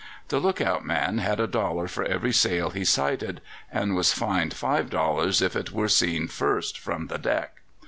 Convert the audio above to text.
The look out man had a dollar for every sail he sighted, and was fined five dollars if it were seen first from the deck.